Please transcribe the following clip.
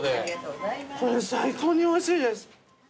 これ最高においしいです。